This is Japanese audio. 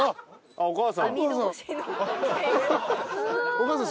お母さん。